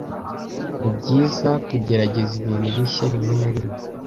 Nibyiza kugerageza ibintu bishya rimwe na rimwe.